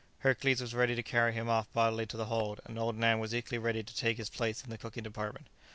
Hercules was ready to carry him off bodily to the hold, and old Nan was equally ready to take his place in the cooking department.